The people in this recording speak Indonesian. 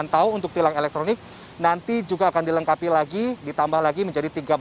pantau untuk tilang elektronik nanti juga akan dilengkapi lagi ditambah lagi menjadi tiga belas